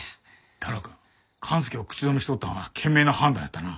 太郎くん勘介を口止めしとったんは懸命な判断やったな。